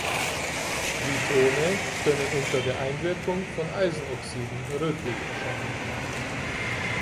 Die Tone können unter der Einwirkung von Eisenoxiden rötlich erscheinen.